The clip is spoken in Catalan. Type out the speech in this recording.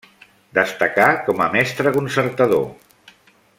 Destacà com a mestre concertador.